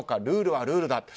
ルールはルールだ。